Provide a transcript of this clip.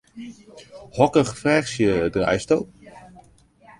Hokker ferzje draaisto?